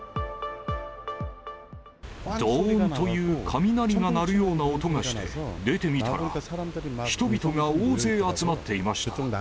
どーんという雷が鳴るような音がして、出てみたら、人々が大勢集まっていました。